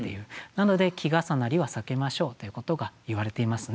なので季重なりは避けましょうということがいわれていますね。